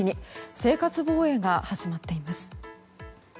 生活防衛が始まっています。